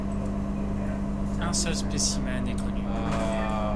Un seul spécimen est connu.